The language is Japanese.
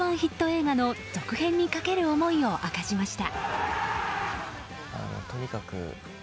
映画の続編にかける思いを明かしました。